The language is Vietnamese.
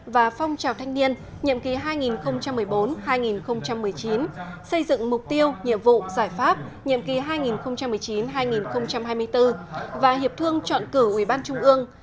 và phong trào thanh niên nhiệm kỳ hai nghìn một mươi bốn hai nghìn một mươi chín xây dựng mục tiêu nhiệm vụ giải pháp nhiệm kỳ hai nghìn một mươi chín hai nghìn hai mươi bốn và hiệp thương chọn cử ủy ban trung ương